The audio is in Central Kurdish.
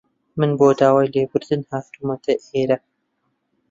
من بۆ داوای لێبوردن هاتوومەتە ئێرە.